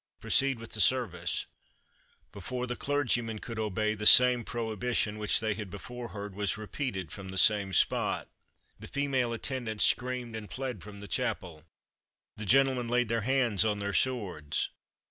Proceed with the service." Before the clergyman could obey, the same prohibition which they had before heard, was repeated from the same spot. The female attendants screamed, and fled from the chapel; the gentlemen laid their hands on their swords.